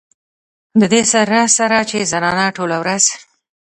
د دې سره سره چې زنانه ټوله ورځ